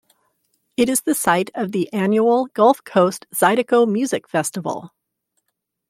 It is the site of the annual Gulf Coast Zydeco Music Festival.